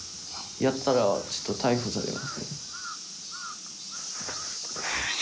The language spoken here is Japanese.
やったらちょっと逮捕される。